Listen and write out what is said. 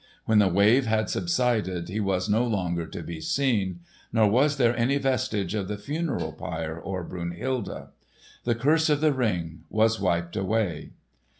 When the wave had subsided he was no longer to be seen; nor was there any vestige of the funeral pyre or Brunhilde. The curse of the Ring was wiped away.